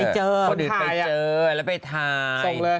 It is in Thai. คนอื่นไปเจอแล้วไปถามเลย